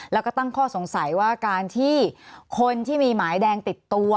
แล้วก็ตั้งข้อสงสัยว่าการที่คนที่มีหมายแดงติดตัว